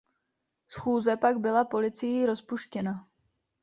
Schůze pak byla policií rozpuštěna.